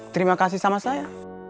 terima kasih sama saya